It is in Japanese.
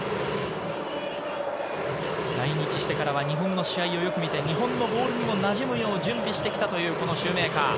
来日してからは日本の試合をよく見て、日本のボールにもなじむよう準備してきたというシューメーカー。